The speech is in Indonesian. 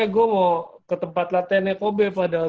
gue mau ke tempat latihan neko be fadal